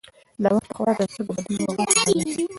ناوخته خوراک د سترګو او بدن نورو غړو ته زیان رسوي.